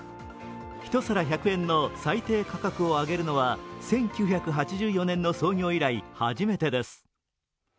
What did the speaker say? １皿１００円の最低価格を上げるのは１９８４年の創業以来初めてです。